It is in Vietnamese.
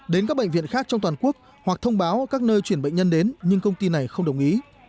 đến các bệnh viện khác trong toàn quốc hoặc thông báo các nơi chuyển bệnh nhân đến nhưng công ty này không đồng ý